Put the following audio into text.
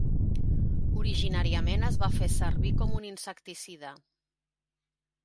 Originàriament es va fer servir com un insecticida.